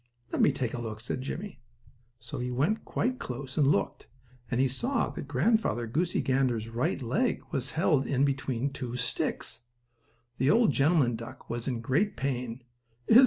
"Let me take a look," said Jimmie. So he went quite close and looked, and he saw that Grandfather Goosey Gander's right leg was held in between two sticks. The old gentleman duck was in great pain.